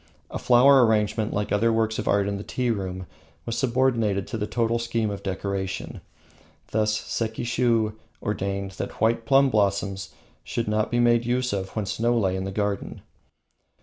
A flower arrangement, like the other works of art in the tea room, was subordinated to the total scheme of decoration. Thus Sekishiu ordained that white plum blossoms should not be made use of when snow lay in the garden.